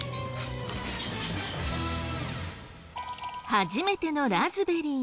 初めてのラズベリー。